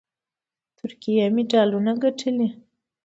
ترکیې مډالونه ګټلي